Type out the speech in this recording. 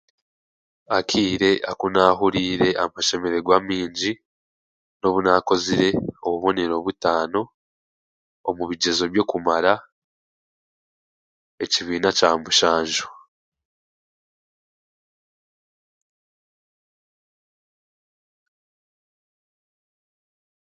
Akaire aku naahuriire amashemererwa maingi n'obu naakozire obubonero butaano omu bigyezo by'okumara ekibiina kya mushanju.